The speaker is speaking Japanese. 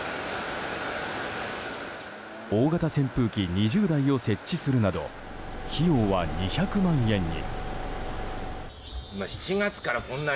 大型扇風機２０台を設置するなど費用は２００万円に。